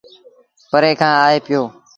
پري کآݩ آئي پيو۔